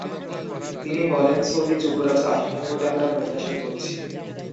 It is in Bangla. তিনি বলেন, সৌদি যুবরাজ আসবেন বলে আমরা প্রত্যাশা করছি।